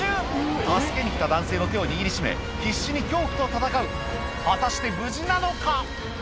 助けに来た男性の手を握り締め必死に恐怖と闘う果たして無事なのか？